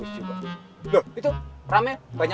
cukup woh ini buat aku gimana